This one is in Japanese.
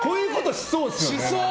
しそう！